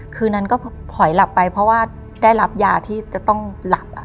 คืนนั้นก็ถอยหลับไปเพราะว่าได้รับยาที่จะต้องหลับ